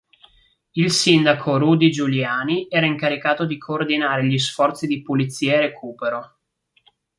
Il sindaco Rudy Giuliani era incaricato di coordinare gli sforzi di pulizia e recupero.